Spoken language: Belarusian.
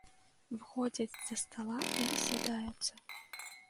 Выходзяць з-за стала і рассядаюцца.